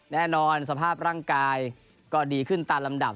แน่นอนสภาพร่างกายก็ดีขึ้นตามลำดับ